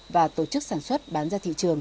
và tổ chức sản xuất bán ra thị trường